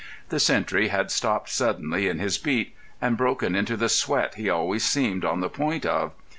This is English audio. The sentry had stopped suddenly in his beat, and broken into the sweat he always seemed on the point of.